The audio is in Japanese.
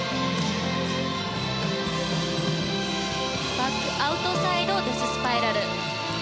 バックアウトサイドデススパイラル。